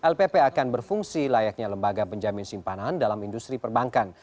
lpp akan berfungsi layaknya lembaga penjamin simpanan dalam industri perbankan